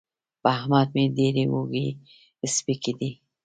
په احمد مې ډېرې اوږې سپکې دي.